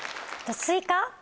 スイカ。